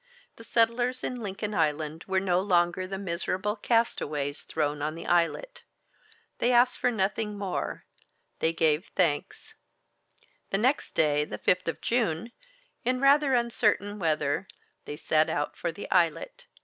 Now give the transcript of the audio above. The settlers in Lincoln Island were no longer the miserable castaways thrown on the islet. They asked for nothing more they gave thanks. The next day, the 5th of June, in rather uncertain weather, they set out for the islet.